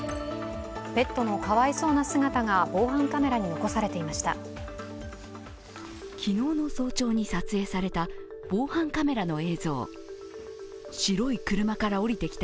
ペットのかわいそうな姿が防犯カメラに残されていました。